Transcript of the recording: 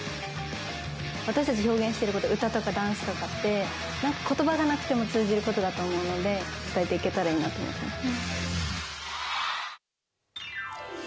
私たちが表現してること、歌とかダンスとかって、なんかことばがなくても通じることだと思うので、伝えていけたらいいなと思ってます。